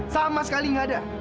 sama sekali gak ada